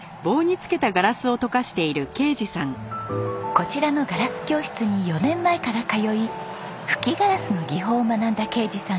こちらのガラス教室に４年前から通い吹きガラスの技法を学んだ啓二さん。